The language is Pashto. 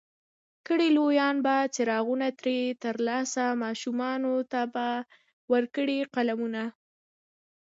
کړي لویان به څراغونه ترې ترلاسه، ماشومانو ته به ورکړي قلمونه